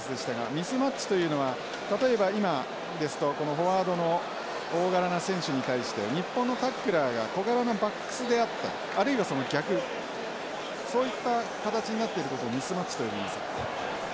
ミスマッチというのは例えば今ですとこのフォワードの大柄な選手に対して日本のタックラーが小柄なバックスであったりあるいはその逆そういった形になってることをミスマッチと呼びます。